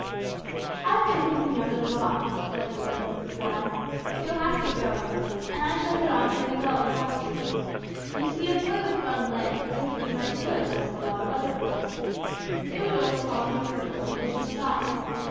"I've been thinking of it a lot," said Roy, with a sigh; "but you'll have to go, and I shall get on pretty well without you. You see a boy with one leg wouldn't be much good amongst a lot of other boys. They would only call him a cripple and push him aside.